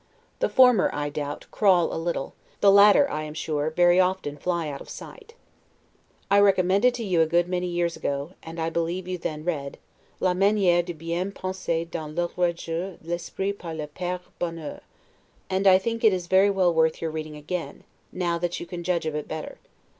The former, I doubt, crawl a little; the latter, I am sure, very often fly out of sight. I recommended to you a good many years ago, and I believe you then read, La maniere de bien penser dans les ouvrages d'esprit par le Pere Bouhours; and I think it is very well worth your reading again, now that you can judge of it better.